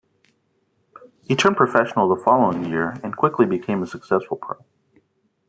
He turned professional the following year and quickly became a successful pro.